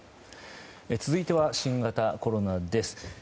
続いては新型コロナです。